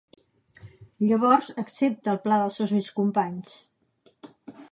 Llavors, accepta el pla dels seus vells companys.